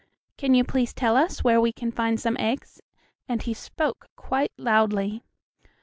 "Can you please tell us where we can find some eggs?" and he spoke quite loudly.